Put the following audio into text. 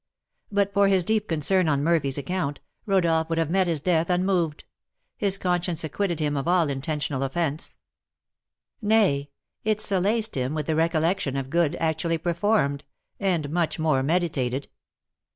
But for his deep concern on Murphy's account, Rodolph would have met his death unmoved, his conscience acquitted him of all intentional offence; nay, it solaced him with the recollection of good actually performed, and much more meditated.